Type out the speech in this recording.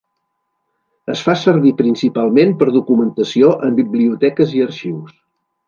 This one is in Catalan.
Es fa servir principalment per documentació en biblioteques i arxius.